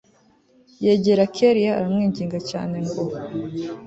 yegera kellia aramwinginga cyane ngo